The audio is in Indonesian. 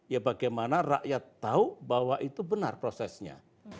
ya bagaimana rakyat tahu bahwa itu benar prosesnya